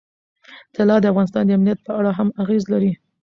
طلا د افغانستان د امنیت په اړه هم اغېز لري.